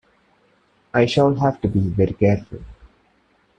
I shall have to be very careful.